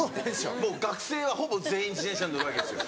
学生はほぼ全員自転車に乗るわけですよ。